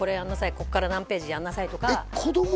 こっから何ページやんなさいとかえっ子供